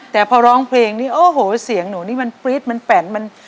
แต่พอร้องเพลงนี่โอ้โหเสียงหนูนี่มันปรี๊ดมันแป่นมัน